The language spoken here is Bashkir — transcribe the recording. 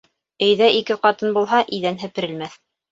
Өйҙә ике ҡатын булһа, иҙән һеперелмәҫ.